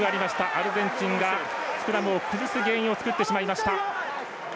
アルゼンチンが崩す原因を作ってしまいました。